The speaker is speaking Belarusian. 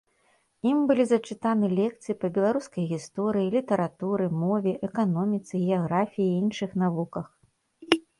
Ім былі зачытаны лекцыі па беларускай гісторыі, літаратуры, мове, эканоміцы, геаграфіі і іншых навуках.